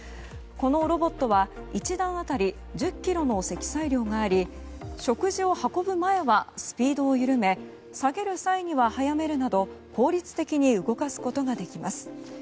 このロボットは１段当たり１０ｋｇの積載量があり食事を運ぶ前はスピードを緩め下げる際には早めるなど効率的に動かすことができます。